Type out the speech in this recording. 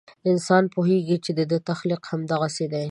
انسان پوهېږي چې د ده تخلیق همدغسې دی.